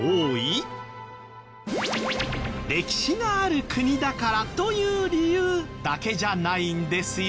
歴史がある国だからという理由だけじゃないんですよ。